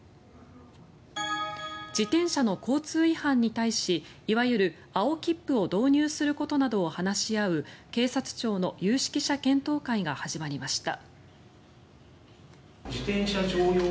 自転車の交通違反に対しいわゆる青切符を導入することなどを話し合う警察庁の有識者検討会が始まりました。